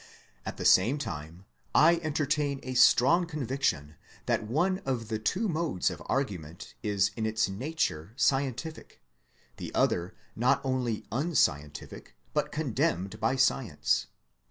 At the same time I entertain a strong conviction that one of the two modes of argument is in its nature scientific, the other not only unscientific but condemned by science.